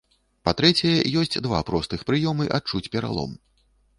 Па-трэцяе, ёсць два простых прыёмы адчуць пералом.